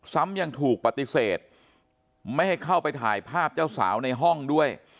ซ้ำยังถูกปฏิเสธไม่ให้เข้าไปถ่ายภาพเจ้าสาวในห้องด้วย